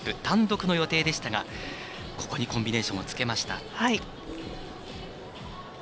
単独の予定でしたが、ここにコンビネーションをつけました。